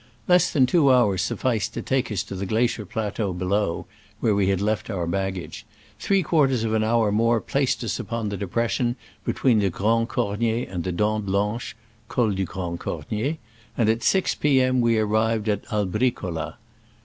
Less than two hours sufficed to take us to the glacier plateau below (where wl had left our baggage) : three quarters of an hour more placed us upon the depression between the Grand Cornier and the Dent Blanche (Col du Grand Cornier), and at 6 p. m. we arrived at Albricolla.